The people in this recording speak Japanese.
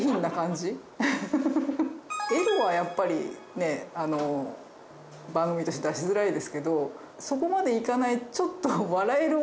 エロはやっぱり番組として出しづらいですけどそこまでいかないちょっと笑える